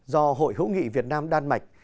do hội hữu nghị việt nam đan mạch